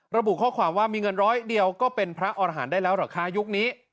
ระบุข้อความว่ามีเงินร้อยเดียวก็เป็นพระอรหารได้แล้วเหรอคะยุคนี้